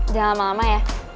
jangan lama lama ya